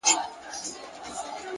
هوښیار انسان له وخت سره سیالي نه کوي!